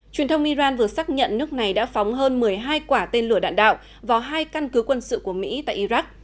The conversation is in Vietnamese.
truyền thông iran vừa xác nhận nước này đã phóng hơn một mươi hai quả tên lửa đạn đạo vào hai căn cứ quân sự của mỹ tại iraq